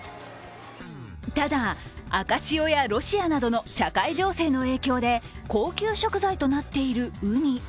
ただ、赤潮やロシアなどの社会情勢の影響で高級食材となっている、うに。